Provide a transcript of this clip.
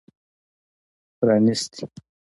پرانیستي